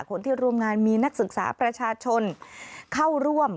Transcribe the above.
คนที่ร่วมงานมีนักศึกษาประชาชนเข้าร่วม